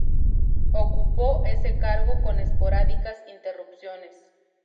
Ocupó ese cargo con esporádicas interrupciones.